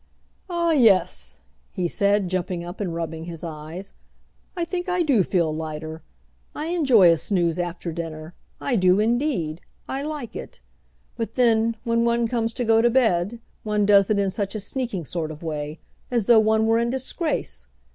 "Ah, yes," he said, jumping up and rubbing his eyes; "I think I do feel lighter. I enjoy a snooze after dinner; I do indeed; I like it; but then, when one comes to go to bed, one does it in such a sneaking sort of way, as though one were in disgrace!